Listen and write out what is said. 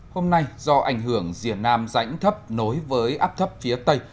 hôm nay do ảnh hưởng diện nam rãnh thấp nối với áp thấp phía tây